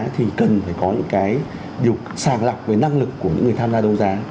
thì cần phải có những cái điều sàng lọc về năng lực của những người tham gia đấu giá